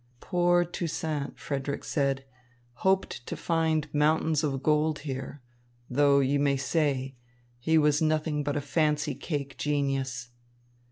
"Poor Toussaint," Frederick said, "hoped to find mountains of gold here, though, you may say, he was nothing but a fancy cake genius."